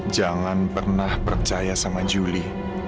jangan pernah percaya sama julie